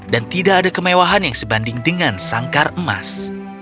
dan tidak ada kemewahan yang sebanding dengan sangkar emas